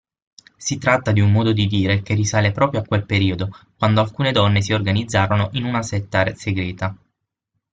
Si tratta di un modo di dire che risale proprio a quel periodo quando alcune donne si organizzarono in una setta segreta.